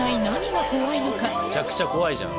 むちゃくちゃ怖いじゃん。